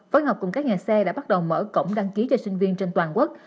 phối hợp cùng các nhà xe đã bắt đầu mở cổng đăng ký cho sinh viên trên toàn quốc